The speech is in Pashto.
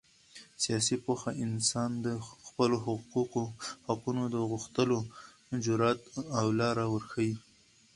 سیاسي پوهه انسان ته د خپلو حقونو د غوښتلو جرات او لاره ورښیي.